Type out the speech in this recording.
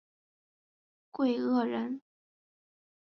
桂萼人。